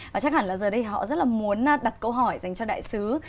và chắc hẳn là giờ đây họ rất là muốn đặt câu hỏi dành cho đại sứ